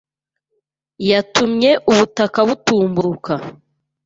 yatumye ubutaka butumburuka